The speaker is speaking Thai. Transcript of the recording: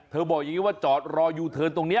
เธอบอกอย่างนี้ว่าจอดรออยู่เถิดตรงนี้